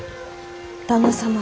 旦那様